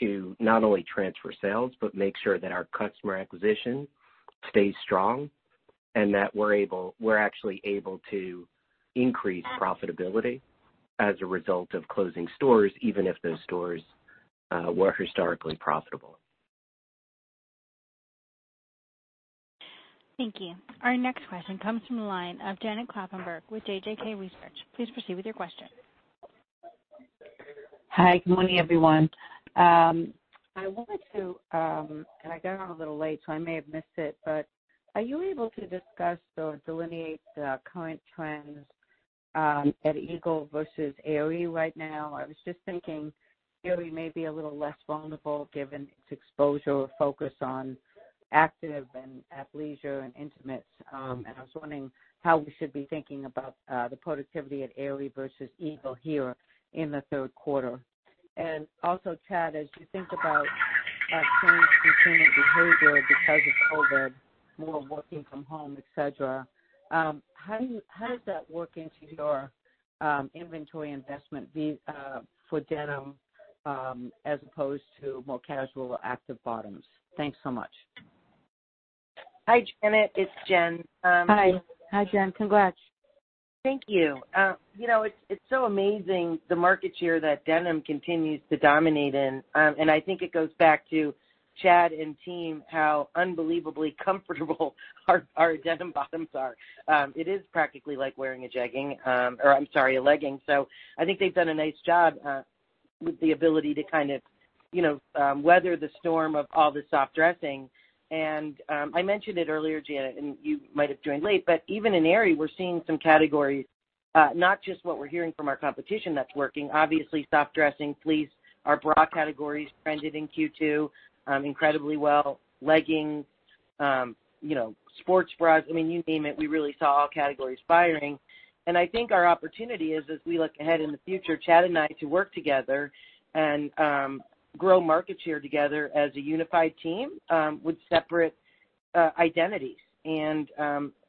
to not only transfer sales, but make sure that our customer acquisition stays strong and that we're actually able to increase profitability as a result of closing stores, even if those stores were historically profitable. Thank you. Our next question comes from the line of Janet Kloppenburg with JJK Research. Please proceed with your question. Hi. Good morning, everyone. I got on a little late, so I may have missed it, but are you able to discuss or delineate the current trends at Eagle versus Aerie right now? I was just thinking Aerie may be a little less vulnerable given its exposure or focus on active and athleisure and intimates. I was wondering how we should be thinking about the productivity at Aerie versus Eagle here in the third quarter. Also, Chad, as you think about consumer behavior because of all the more working from home, et cetera, how does that work into your inventory investment for denim as opposed to more casual active bottoms? Thanks so much. Hi, Janet. It's Jen. Hi. Hi, Jen. Congrats. Thank you. It's so amazing the market share that denim continues to dominate in. I think it goes back to Chad and team, how unbelievably comfortable our denim bottoms are. It is practically like wearing a jegging, or I'm sorry, a legging. I think they've done a nice job with the ability to weather the storm of all the soft dressing. I mentioned it earlier, Janet, and you might have joined late, but even in Aerie, we're seeing some categories, not just what we're hearing from our competition that's working. Obviously, soft dressing, fleece, our bra categories trended in Q2 incredibly well. Leggings, sports bras, you name it, we really saw all categories firing. I think our opportunity is as we look ahead in the future, Chad and I to work together and grow market share together as a unified team with separate identities.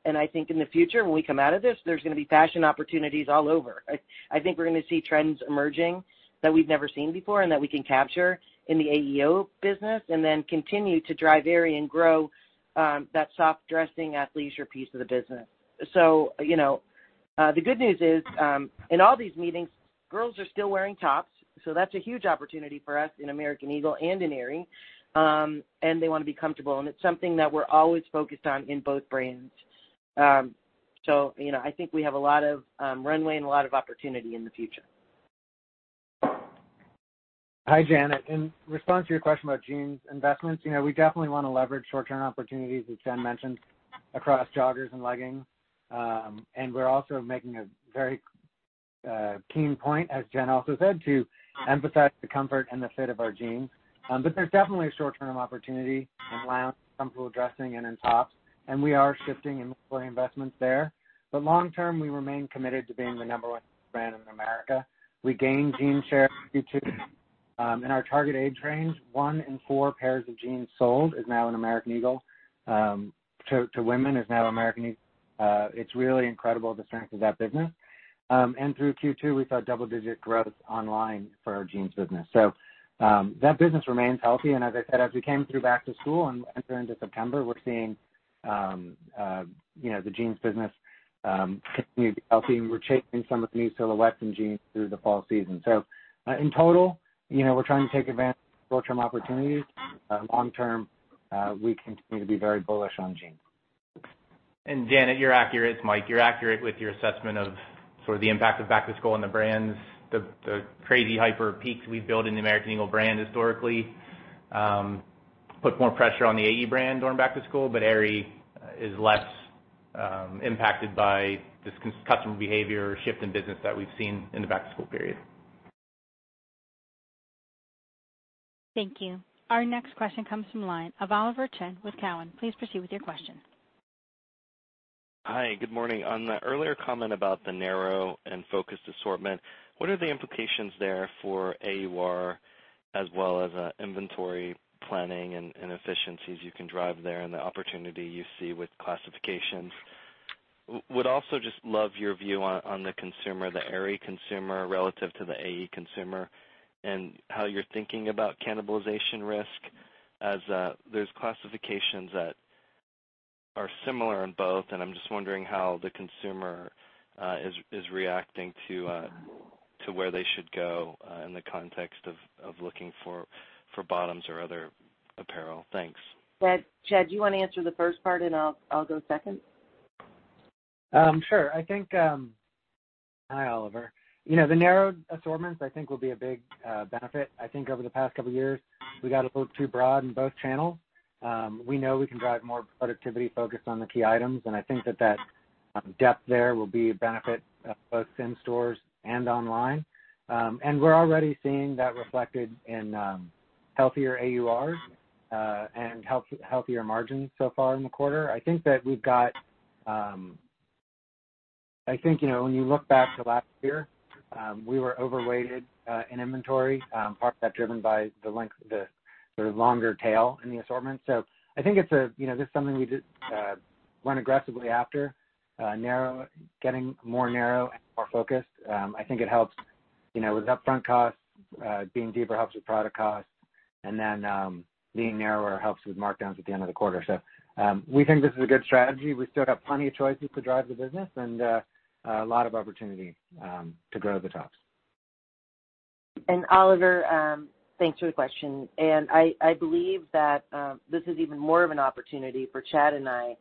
I think in the future, when we come out of this, there's gonna be fashion opportunities all over. I think we're gonna see trends emerging that we've never seen before and that we can capture in the AEO business and then continue to drive Aerie and grow that soft dressing, athleisure piece of the business. The good news is in all these meetings, girls are still wearing tops, so that's a huge opportunity for us in American Eagle and in Aerie, and they wanna be comfortable, and it's something that we're always focused on in both brands. I think we have a lot of runway and a lot of opportunity in the future. Hi, Janet. In response to your question about jeans investments, we definitely wanna leverage short-term opportunities, as Jen mentioned, across joggers and leggings. We're also making a very keen point, as Jen also said, to emphasize the comfort and the fit of our jeans. There's definitely a short-term opportunity in lounge, comfortable dressing, and in tops, and we are shifting inventory investments there. Long term, we remain committed to being the number one brand in America. We gained jean share Q2. In our target age range, one in four pairs of jeans sold is now an American Eagle. To women is now American Eagle. It's really incredible, the strength of that business. Through Q2, we saw double-digit growth online for our jeans business. That business remains healthy. As I said, as we came through back to school and enter into September, we're seeing the jeans business continue to be healthy, and we're chasing some of the new silhouettes in jeans through the fall season. In total, we're trying to take advantage of short-term opportunities. Long term, we continue to be very bullish on jeans. Janet, you're accurate. It's Mike, you're accurate with your assessment of sort of the impact of back to school on the brands. The crazy hyper peaks we've built in the American Eagle brand historically put more pressure on the AE brand during back to school. Aerie is less impacted by this customer behavior shift in business that we've seen in the back to school period. Thank you. Our next question comes from the line of Oliver Chen with Cowen. Please proceed with your question. Hi, good morning. On the earlier comment about the narrow and focused assortment, what are the implications there for AUR as well as inventory planning and efficiencies you can drive there in the opportunity you see with classifications? Would also just love your view on the consumer, the Aerie consumer, relative to the AE consumer, and how you're thinking about cannibalization risk, as there's classifications that are similar in both, and I'm just wondering how the consumer is reacting to where they should go in the context of looking for bottoms or other apparel. Thanks. Chad, do you want to answer the first part, and I'll go second? Sure. Hi, Oliver. The narrowed assortments, I think, will be a big benefit. I think over the past couple of years, we got a little too broad in both channels. We know we can drive more productivity focused on the key items, and I think that that depth there will be a benefit both in stores and online. We're already seeing that reflected in healthier AURs, and healthier margins so far in the quarter. I think that when you look back to last year, we were overweighted in inventory, part of that driven by the length, the sort of longer tail in the assortment. I think this is something we went aggressively after, getting more narrow and more focused. I think it helps with upfront costs. Being deeper helps with product costs, and then being narrower helps with markdowns at the end of the quarter. We think this is a good strategy. We still got plenty of choices to drive the business and a lot of opportunity to grow the tops. Oliver, thanks for the question. I believe that this is even more of an opportunity for Chad and I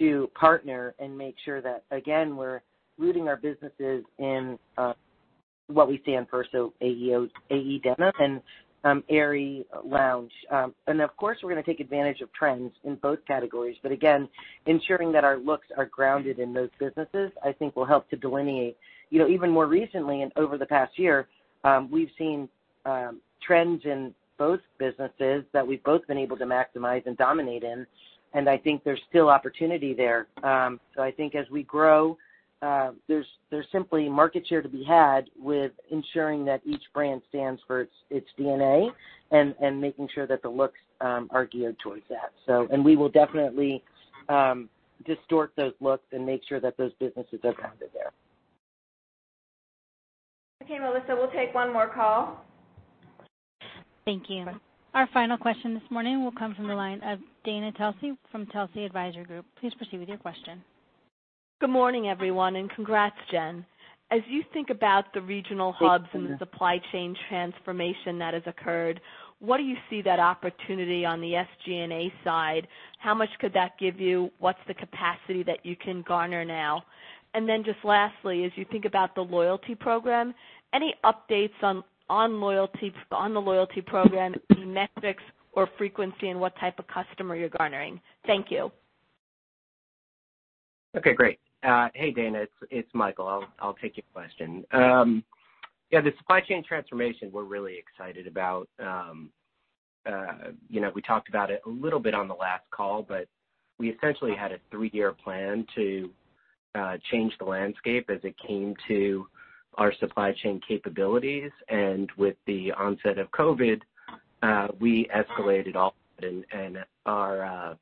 to partner and make sure that, again, we're rooting our businesses in what we stand for, so AE denim and Aerie lounge. Of course, we're going to take advantage of trends in both categories. Again, ensuring that our looks are grounded in those businesses, I think will help to delineate. Even more recently and over the past year, we've seen trends in both businesses that we've both been able to maximize and dominate in, and I think there's still opportunity there. I think as we grow, there's simply market share to be had with ensuring that each brand stands for its DNA and making sure that the looks are geared towards that. We will definitely distort those looks and make sure that those businesses are grounded there. Okay, Melissa, we'll take one more call. Thank you. Our final question this morning will come from the line of Dana Telsey from Telsey Advisory Group. Please proceed with your question. Good morning, everyone, and congrats, Jen. As you think about the regional hubs and the supply chain transformation that has occurred, what do you see that opportunity on the SG&A side? How much could that give you? What's the capacity that you can garner now? Lastly, as you think about the loyalty program, any updates on the loyalty program, the metrics or frequency, and what type of customer you're garnering? Thank you. Okay, great. Hey, Dana, it's Michael. I'll take your question. Yeah, the supply chain transformation, we're really excited about. We talked about it a little bit on the last call, but we essentially had a three-year plan to change the landscape as it came to our supply chain capabilities. With the onset of COVID, we escalated a lot and are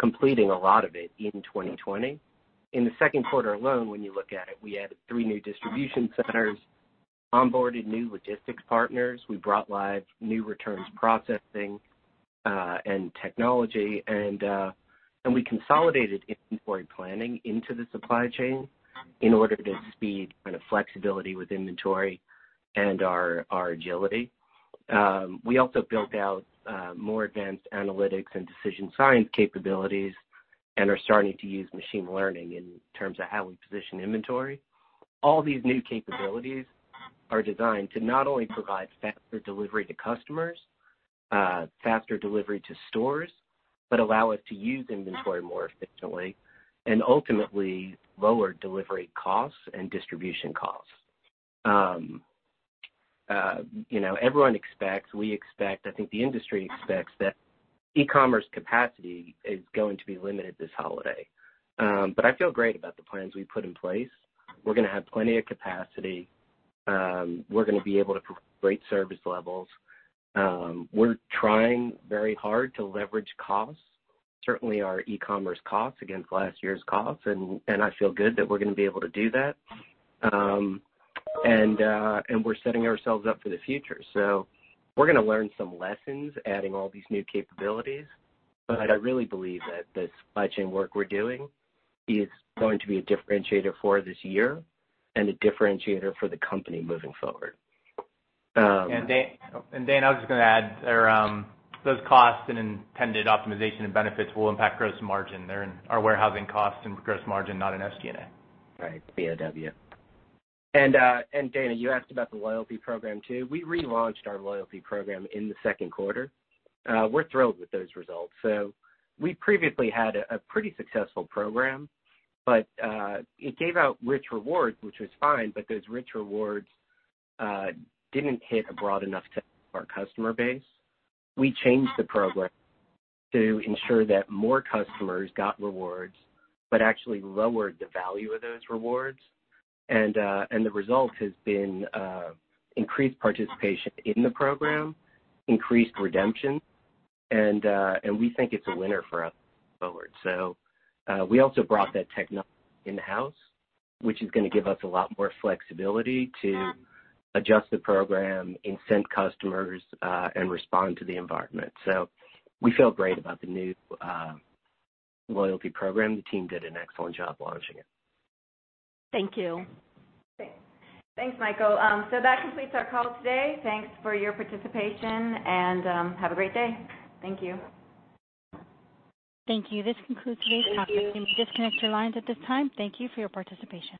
completing a lot of it in 2020. In the second quarter alone, when you look at it, we added three new distribution centers, onboarded new logistics partners. We brought live new returns processing and technology, and we consolidated inventory planning into the supply chain in order to speed flexibility with inventory and our agility. We also built out more advanced analytics and decision science capabilities and are starting to use machine learning in terms of how we position inventory. All these new capabilities are designed to not only provide faster delivery to customers, faster delivery to stores, but allow us to use inventory more efficiently, and ultimately lower delivery costs and distribution costs. Everyone expects, we expect, I think the industry expects that e-commerce capacity is going to be limited this holiday. I feel great about the plans we've put in place. We're going to have plenty of capacity. We're going to be able to provide service levels. We're trying very hard to leverage costs, certainly our e-commerce costs against last year's costs, and I feel good that we're going to be able to do that. We're setting ourselves up for the future. We're going to learn some lessons, adding all these new capabilities. I really believe that the supply chain work we're doing is going to be a differentiator for this year and a differentiator for the company moving forward. Dana, I was just going to add, those costs and intended optimization and benefits will impact gross margin. They're in our warehousing costs and gross margin, not in SG&A. Right. BOW. Dana, you asked about the loyalty program, too. We relaunched our loyalty program in the second quarter. We're thrilled with those results. We previously had a pretty successful program, but it gave out rich rewards, which was fine, but those rich rewards didn't hit a broad enough section of our customer base. We changed the program to ensure that more customers got rewards, but actually lowered the value of those rewards, and the result has been increased participation in the program, increased redemption, and we think it's a winner for us moving forward. We also brought that technology in-house, which is going to give us a lot more flexibility to adjust the program, incent customers, and respond to the environment. We feel great about the new loyalty program. The team did an excellent job launching it. Thank you. Great. Thanks, Michael. That completes our call today. Thanks for your participation, and have a great day. Thank you. Thank you. This concludes today's conference. You may disconnect your lines at this time. Thank you for your participation.